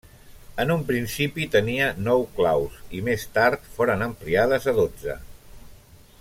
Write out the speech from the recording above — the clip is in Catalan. En un principi tenia nou claus i més tard foren ampliades a dotze.